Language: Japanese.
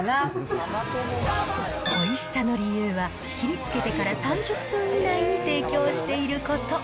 おいしさの理由は、切り付けてから３０分以内に提供していること。